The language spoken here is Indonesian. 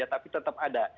tapi tetap ada